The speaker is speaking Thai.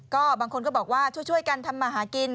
ก็บางคนก็บอกว่าช่วยกันทำมาหากิน